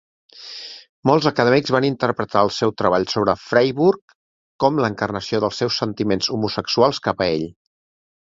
Molts acadèmics van interpretar el seu treball sobre Freyburg com l'encarnació dels seus sentiments homosexuals cap a ell.